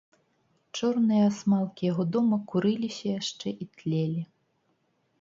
Чорныя асмалкі яго дома курыліся яшчэ і тлелі.